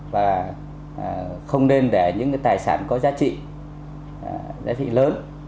và không nên để những tài sản có giá trị giá thị lớn